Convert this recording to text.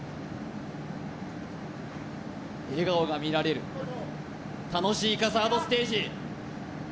笑顔が見られる楽しいかサードステージ